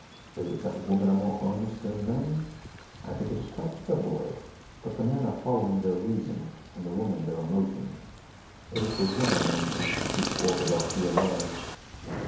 Is it that women are more earnest than men? I think it is quite the other way. But the men are following their reason, and the women their emotion. It is the women only who keep orthodoxy alive.